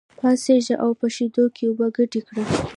پاڅېږه او په شېدو کې اوبه ګډې کړه.